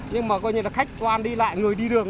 nhưng mà coi như là khách quan đi lại người đi đường